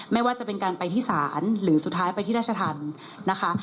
ไม่ว่าจะเป็นการไปที่ศาลหรือสุดท้ายไปที่ราชธรรมนะคะ